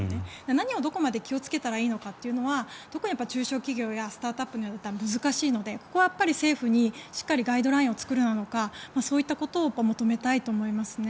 何をどこまで気をつけたらいいのかは特に中小企業やスタートアップだと難しいのでここは政府に、しっかりガイドラインを作るなのかそういったことを求めたいと思いますね。